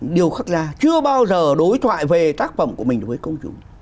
điều khắc gia chưa bao giờ đối thoại về tác phẩm của mình với công chúng